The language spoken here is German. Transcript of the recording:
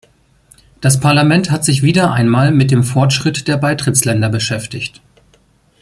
Das Parlament hat sich wieder einmal mit dem Fortschritt der Beitrittsländer beschäftigt.